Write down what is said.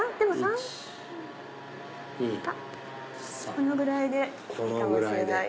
このぐらいでいいかもしれない。